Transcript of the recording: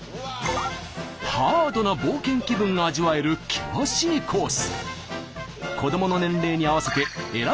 ハードな冒険気分が味わえる険しいコース。